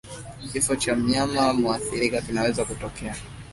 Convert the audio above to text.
Kifo kwa mnyama muathirika kinaweza kutokea